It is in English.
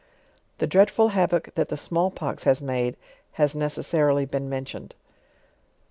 The dreadful havoc that the small pox has made, has no* cesearily been mentioned.